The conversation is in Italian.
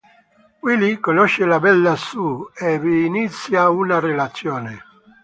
Willie conosce la bella Sue e vi inizia una relazione.